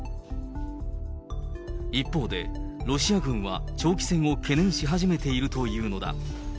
一方で、ロシア軍は長期戦を懸念し始めているというのだ。